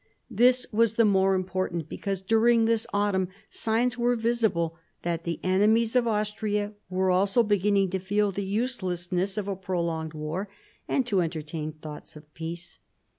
This was the more important, because during this autumn signs were visible that the enemies of Austria were also beginning to feel the uselessness of a pro longed war, and to entertain thoughts of peace.